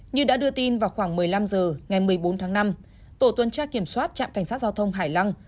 như đã đưa tin vào khoảng một mươi năm h ngày một mươi bốn tháng năm tổ tuần tra kiểm soát trạm cảnh sát giao thông hải lăng